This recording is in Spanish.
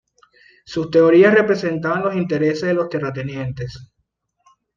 Sus teorías representaban los intereses de los terratenientes.